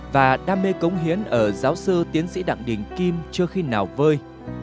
và đam mê cống hiến ở giáo sư tiến sĩ đặng đình kim chưa khi nào vơi